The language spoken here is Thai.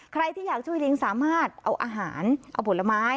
ครับ